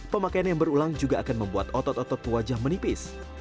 pemakaian yang berulang juga akan membuat otot otot wajah menipis